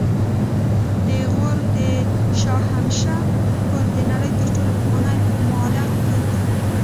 د غور د شاهمشه پل د نړۍ تر ټولو پخوانی معلق پل و